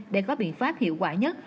để có biện pháp hiệu quả nhất